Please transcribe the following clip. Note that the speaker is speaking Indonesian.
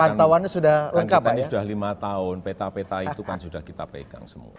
karena lengkap ini sudah lima tahun peta peta itu kan sudah kita pegang semua